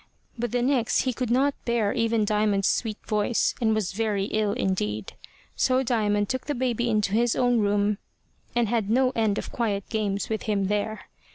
But the next he could not bear even Diamond's sweet voice, and was very ill indeed; so Diamond took the baby into his own room, and had no end of quiet games with him there.